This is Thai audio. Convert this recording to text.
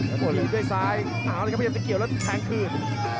หยุดด้วยซ้ายเอาละครับมันยังจะเกี่ยวแล้วแทงคืน